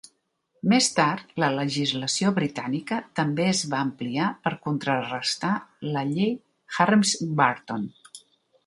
Més tard, la legislació britànica també es va ampliar per contrarestar la Llei Herms-Burton.